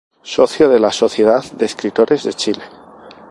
Socio de la Sociedad de Escritores de Chile.